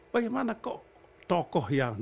bagaimana kok tokoh yang jelas jelas peluangnya